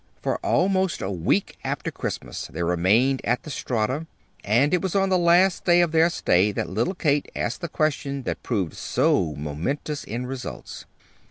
For almost a week after Christmas they remained at the Strata; and it was on the last day of their stay that little Kate asked the question that proved so momentous in results.